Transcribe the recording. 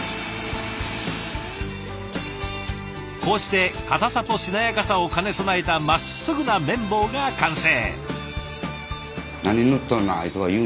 こうして固さとしなやかさを兼ね備えたまっすぐな麺棒が完成。